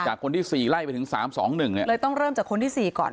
คนที่สี่ไล่ไปถึงสามสองหนึ่งเนี่ยเลยต้องเริ่มจากคนที่สี่ก่อน